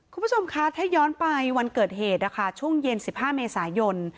คุณผู้ชมคะถ้าย้อนไปวันเกิดเหตุนะคะช่วงเย็น๑๕เมษายน